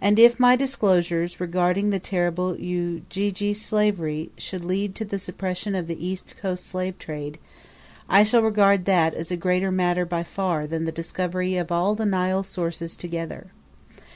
And if my disclosures regarding the terrible Ujijian slavery should lead to the suppression of the East Coast slave trade, I shall regard that as a greater matter by far than the discovery of all the Nile sources together.